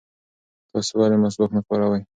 تاسې ولې مسواک نه کاروئ؟